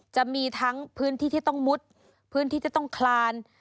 จะมีทั้งพื้นที่ที่ต้องมุดพื้นที่จะต้องคลาน